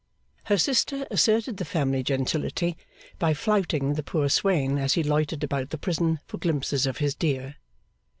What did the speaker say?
Her sister asserted the family gentility by flouting the poor swain as he loitered about the prison for glimpses of his dear.